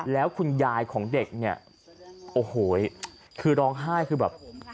แล้วคุณยายของเด็กเนี่ยโอ้โหคือร้องไห้คือแบบ